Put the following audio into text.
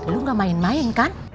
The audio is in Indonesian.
lu gak main main kan